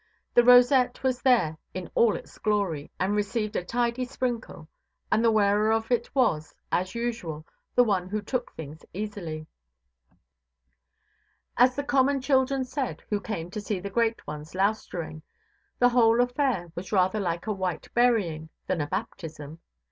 The rosette was there in all its glory, and received a tidy sprinkle; and the wearer of it was, as usual, the one who took things easily. As the common children said, who came to see the great ones "loustering", the whole affair was rather like a white burying than a baptism.